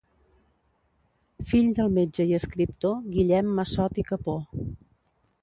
Fill del metge i escriptor Guillem Massot i Capó.